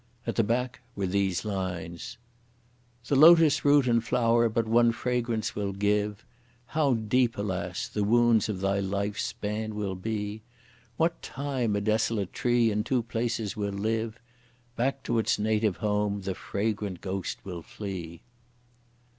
At the back were these lines: The lotus root and flower but one fragrance will give; How deep alas! the wounds of thy life's span will be; What time a desolate tree in two places will live, Back to its native home the fragrant ghost will flee!